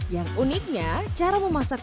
yang uniknya cara memasak